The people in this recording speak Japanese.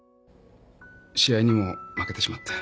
試合にも負けてしまって。